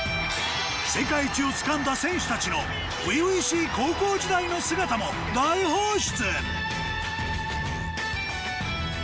世界一をつかんだ選手たちの初々しい高校時代の姿も大放出！